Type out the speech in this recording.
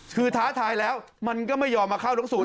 คือท้าทายแล้วมันก็ไม่ยอมมาเข้าน้องศูน